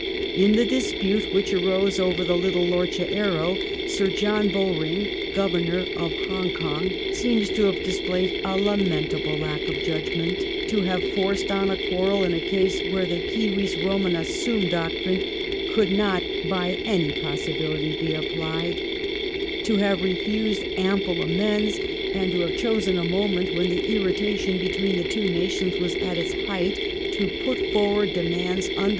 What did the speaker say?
In the dispute which arose over the little loroha " Arrow," Sir John Bowring, Governor of Hong Kong, seems to have displayed a lamentable lack of judgment; to have forced on a quarrel in a case where the civis Bomanus sum doctrine could not by any possibility be applied ; to have refused ample amends ; and to have * chosen a moment when the irritation between the two nations was at its height to put forward demands under WARS AND BUMOUES OF WABS.